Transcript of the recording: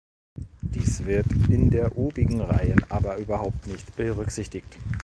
Dies wird in der obigen Reihen aber überhaupt nicht berücksichtigt.